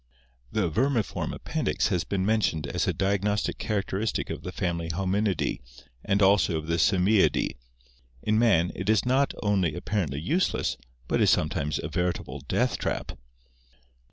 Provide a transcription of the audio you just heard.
The vermiform appendix (Fig. 242) has been mentioned as a diag nostic characteristic of the family Hominidae and also of the Si miidae. In man it is not only apparently useless but is sometimes a veritable deathtrap.